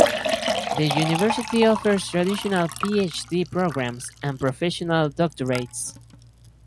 The University offers traditional Phd programmes and Professional Doctorates.